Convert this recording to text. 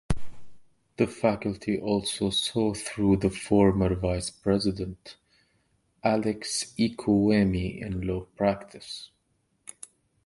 The faculty also saw through the former vice-president, Alex Ekwueme in law practice.